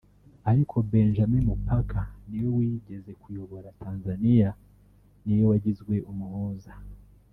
ariko Benjamin Mpaka wigeze kuyobora Tanzaniya niwe wagizwe umuhuza